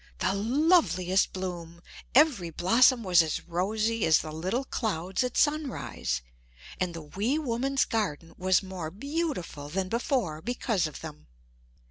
The loveliest bloom! Every blossom was as rosy as the little clouds at sunrise; and the wee woman's garden was more beautiful than before because of them.